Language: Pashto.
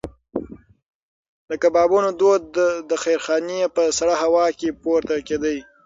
د کبابونو دود د خیرخانې په سړه هوا کې پورته کېده.